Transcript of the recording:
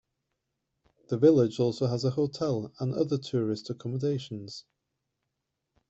The village also has a hotel and other tourist accommodations.